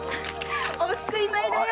お救い米だよ